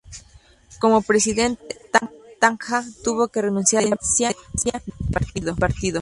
Como Presidente, Tandja tuvo que renunciar a la presidencia del partido.